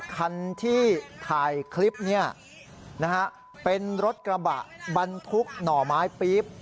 คันที่ถ่ายคลิปเนี่ยนะฮะเป็นรถกระบะบรรทุกหน่อไม้ปี๊บ